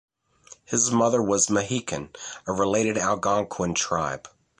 His mother was Mahican, a related Algonquian tribe.